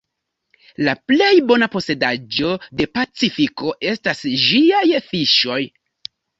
La plej bona posedaĵo de Pacifiko estas ĝiaj fiŝoj.